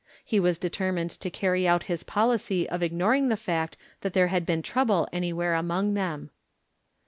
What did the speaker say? He was determined to carry out his pohcy of ignoring the fact that there had been trouble anywhere among them.